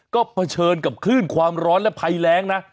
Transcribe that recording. ก็เผชิญกับคลื่นความร้อนและภัยแรงนะ